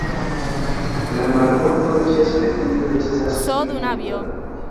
La marbordo ĉe Svedio estas pli kruta.